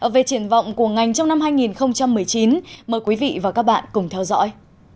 về triển vọng của ngành trong năm hai nghìn một mươi chín mời quý vị và các bạn cùng theo dõi